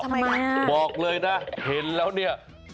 ทำไมอ่ะบอกเลยนะเห็นแล้วเนี่ย